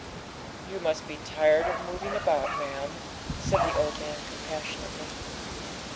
'You must be tired of moving about, ma'am,' said the old man compassionately.